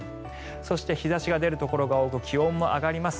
そして日差しが出るところが多く気温も上がります。